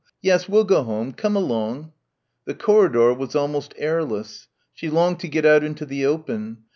"Yes, we'll go home, come along." The corridor was almost airless. She longed to get out into the open.